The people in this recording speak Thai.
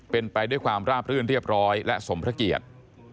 เป็นไปด้วยความราบรื่นเรียบร้อยและสมพระเกียรติ